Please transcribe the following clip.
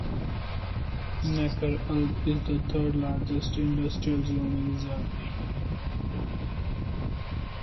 Neckar-Alb is the third largest industrial zone in Germany.